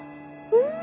うん！